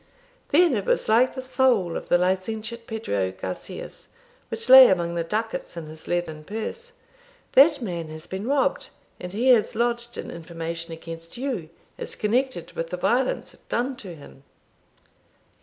"Then it was like the soul of the licentiate Pedro Garcias, which lay among the ducats in his leathern purse. That man has been robbed, and he has lodged an information against you, as connected with the violence done to him."